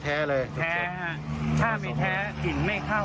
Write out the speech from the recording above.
แท้ครับถ้ามีแท้กลิ่นไม่เข้า